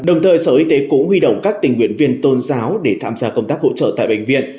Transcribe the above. đồng thời sở y tế cũng huy động các tình nguyện viên tôn giáo để tham gia công tác hỗ trợ tại bệnh viện